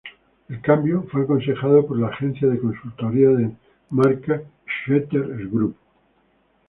El cambio fue aconsejado por la agencia de consultoría de marca Schechter Group.